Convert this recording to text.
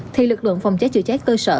thì lực lượng phòng cháy chữa cháy cơ sở